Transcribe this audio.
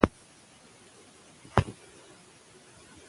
موږ د کلتور او هنر ګډې برخې لمانځو.